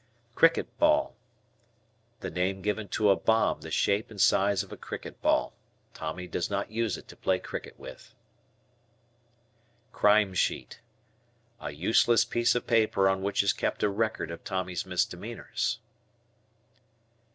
"Cricket ball." The name given to a bomb the shape and size of a cricket ball. Tommy does not use it to play cricket with. Crime Sheet. A useless piece of paper on which is kept a record of Tommy's misdemeanors.